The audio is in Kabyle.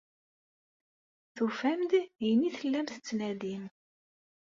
Tufam-d ayen ay tellam tettnadim.